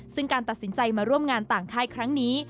ซึ่งการตัดสินใจมาร่วมงานต่างค่ายครั้งนี้